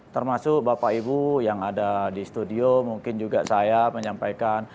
termasuk bapak ibu yang ada di studio mungkin juga saya menyampaikan